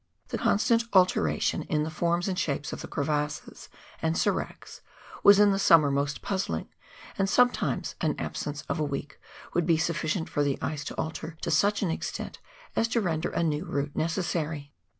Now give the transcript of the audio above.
The constant alteration in the forms and shapes of the crevasses and seracs was in the summer most puzzling, and sometimes an absence of a week would be sufficient for the ice to alter to such an extent as to render a new route necessary.